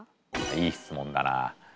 いい質問だな。